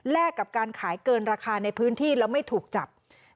กับการขายเกินราคาในพื้นที่แล้วไม่ถูกจับ